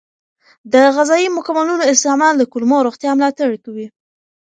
د غذایي مکملونو استعمال د کولمو روغتیا ملاتړ کوي.